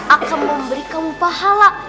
akan memberi kamu pahala